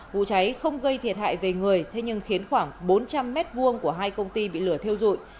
vụ cháy không gây thiệt hại về người thế nhưng khiến khoảng bốn trăm linh m hai của hai công ty bị lửa theo dụi